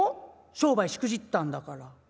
商売しくじったんだから。